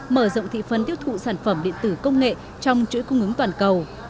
mở rộng thị phần tiêu thụ sản phẩm điện tử công nghệ trong chuỗi cung ứng toàn cầu